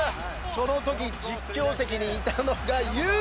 そのとき実況席にいたのがユー！